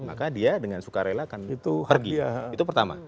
maka dia dengan suka rela akan pergi itu pertama